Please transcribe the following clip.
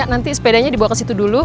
nanti sepedanya dibawa ke situ dulu